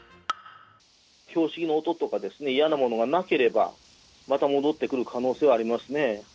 拍子木の音とか、嫌なものがなければ、また戻ってくる可能性はありますね。